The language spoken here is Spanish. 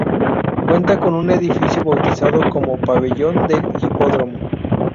Cuenta con un edificio bautizado como Pabellón del Hipódromo.